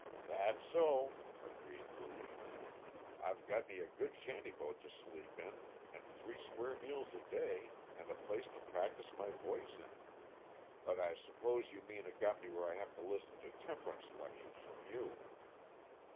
"That's so," agreed Booge. "It got me a good shanty boat to sleep in and three square meals a day and a place to practise my voice in. But I suppose you mean it got me where I have to listen to temp'rance lectures from you."